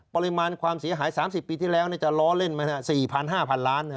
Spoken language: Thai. ปริมาณความเสียหาย๓๐ปีที่แล้วจะล้อเล่นไหม๔๐๐๕๐๐ล้าน